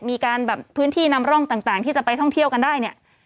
มีการแบบพื้นที่นำร่องต่างที่จะไปท่องเที่ยวกันได้เนี่ย